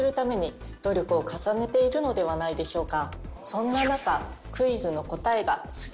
そんな中。